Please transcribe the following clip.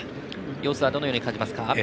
様子はどのように感じますか？